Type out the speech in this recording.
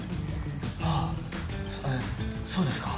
はぁそうですか。